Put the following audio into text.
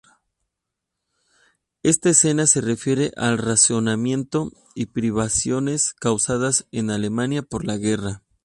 Esta escena se refiere al racionamiento y privaciones causadas en Alemania por la guerra.